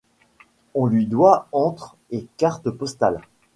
On lui doit entre et cartes postales.